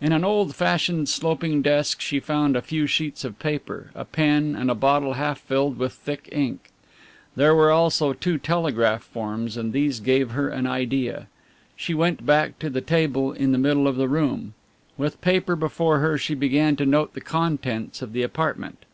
In an old fashioned sloping desk she found a few sheets of paper, a pen and a bottle half filled with thick ink. There were also two telegraph forms, and these gave her an idea. She went back to the table in the middle of the room. With paper before her she began to note the contents of the apartment.